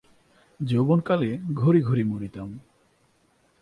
যৌবনকালে ঘড়ি ঘড়ি মরিতাম।